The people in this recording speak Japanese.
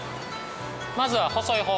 まずは細い方。